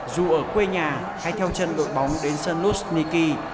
dù ở quê nhà hay theo chân đội bóng đến sân luzhniki